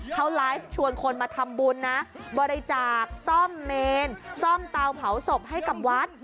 เขาไลฟ์ชวนคนมาทำบุญนะบริจาคซ่อมเมนซ่อมเตาเผาศพให้กับวัด